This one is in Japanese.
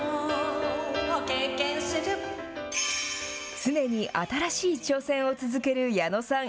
常に新しい挑戦を続ける矢野さん。